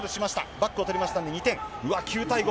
バックを取りましたので、２点、うわっ、９対５。